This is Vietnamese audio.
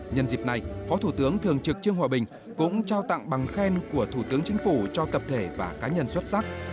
nhân dịp này phó thủ tướng thường trực trương hòa bình cũng trao tặng bằng khen của thủ tướng chính phủ cho tập thể và cá nhân xuất sắc